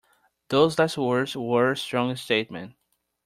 Those last words were a strong statement.